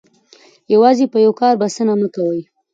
یوازې په یو کار بسنه مه کوئ.